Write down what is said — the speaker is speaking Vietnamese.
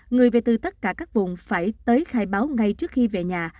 người về từ tất cả các vùng phải tới khai báo ngay trước khi về nhà